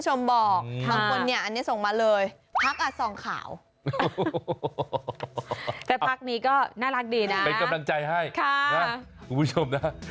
จบเลยนะครับ